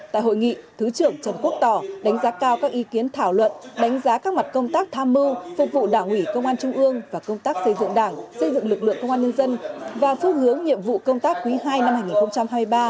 tại hội nghị thứ trưởng trần quốc tỏ đánh giá cao các ý kiến thảo luận đánh giá các mặt công tác tham mưu phục vụ đảng ủy công an trung ương và công tác xây dựng đảng xây dựng lực lượng công an nhân dân và phương hướng nhiệm vụ công tác quý ii năm hai nghìn hai mươi ba